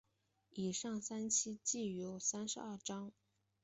以上三期计有三十二章。